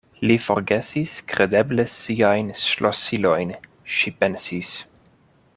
Li forgesis kredeble siajn ŝlosilojn, ŝi pensis.